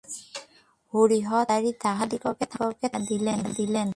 হরিহর তাড়াতাড়ি তাহাদিগকে থামাইয়া দিলেন।